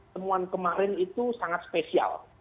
temuan kemarin itu sangat spesial